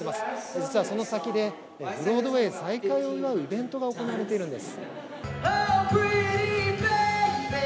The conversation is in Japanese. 実はその先で、ブロードウエー再開を祝うイベントが行われているんです。